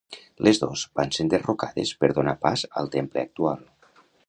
Les dos van ser enderrocades per donar pas al temple actual.